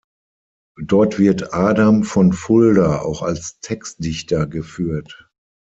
Dort wird Adam von Fulda auch als Textdichter geführt.